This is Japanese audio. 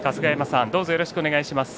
よろしくお願いします。